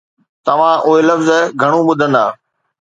توهان اهي لفظ گهڻو ٻڌندا